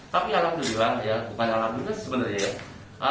tapi alamnya bilang bukan alamnya sebenarnya